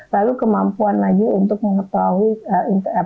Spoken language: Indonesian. lalu kemampuan lagi untuk mengetahui kecacatan visual spasial intelijens